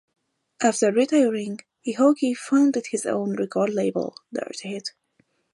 After retiring, Ehiogu founded his own record label, Dirty Hit.